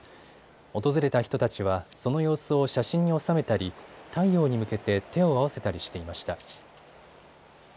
訪れた人たちは、その様子を写真に収めたり太陽に向けて手を合わせたりしていました。